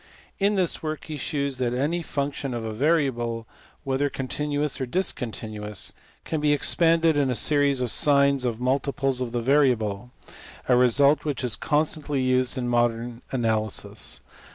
In this work be shews that any function of a variable, whether continuous or discontinuous, can be expanded in a series of sines of multiples of the variable ; a result which is constantly used in modern analysis.